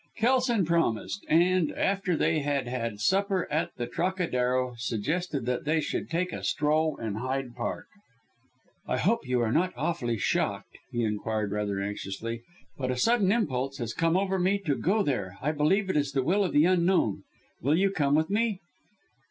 Kelson promised, and after they had had supper at the Trocadero, suggested that they should take a stroll in Hyde Park. "I hope you are not awfully shocked?" he inquired rather anxiously, "but a sudden impulse has come over me to go there. I believe it is the will of the Unknown. Will you come with me?"